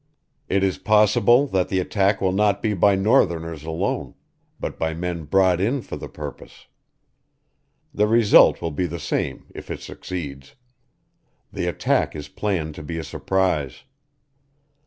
It is possible that the attack will not be by northerners alone, but by men brought in for the purpose. The result will be the same if it succeeds. The attack is planned to be a surprise.